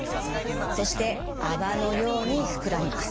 そして泡のように膨らみます。